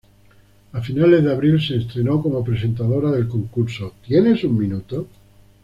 A finales de abril se estrenó como presentadora del concurso "¿Tienes un minuto?